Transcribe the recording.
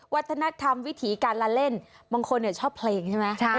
วัฒนธรรมวิถีการละเล่นบางคนชอบเพลงใช่ไหม